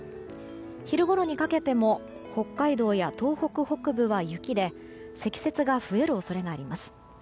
昼ごろにかけても北海道や東北北部は雪で積雪が増える恐れがあります。